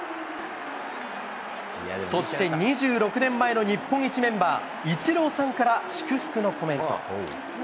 そして、２６年前の日本一メンバー、イチローさんから祝福のコメント。